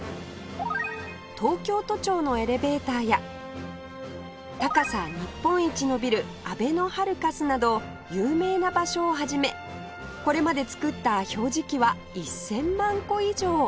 東京都庁のエレベーターや高さ日本一のビルあべのハルカスなど有名な場所を始めこれまでつくった表示器は１０００万個以上